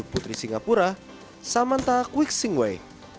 petinju putri singapura samantha quiksingway